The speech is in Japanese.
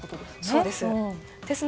そうです。